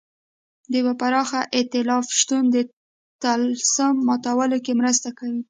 د یوه پراخ اېتلاف شتون د طلسم ماتولو کې مرسته وکړي.